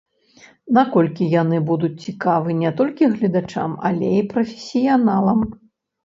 Наколькі яны будуць цікавы не толькі гледачам, але і прафесіяналам?